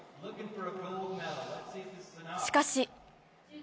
しかし。